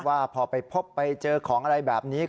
ว่าพอไปพบไปเจอของอะไรแบบนี้